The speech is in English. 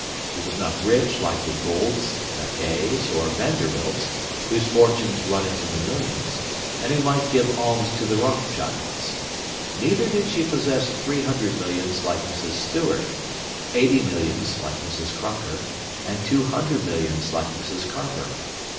She was not rich like the Goulds, Mackays, or Vanderbilts, whose fortunes run into the millions, and who might give alms to the Rothschilds. Neither did she possess three hundred millions like Mrs. Stewart, eighty millions like Mrs. Crocker, and two hundred millions like Mrs. Carper.